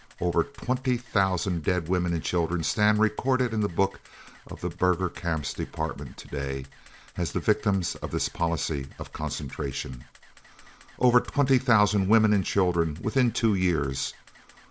Over twenty thousand dead women and children stand recorded in the books of the Burgher Camps Department to day, as the victims of this policy of concentration. Over twenty thousand women and children within two years!